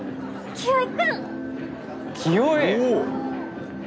清居！